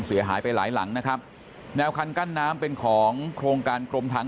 เสียหายไปหลายหลังนะครับแนวคันกั้นน้ำเป็นของโครงการกรมทาง